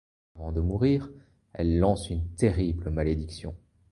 Avant de mourir, elle lance une terrible malédiction.